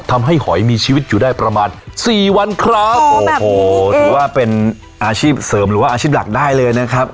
หอยมีชีวิตอยู่ได้ประมาณสี่วันครับโอ้โหถือว่าเป็นอาชีพเสริมหรือว่าอาชีพหลักได้เลยนะครับ